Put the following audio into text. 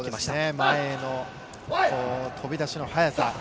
前の飛び出しの早さ。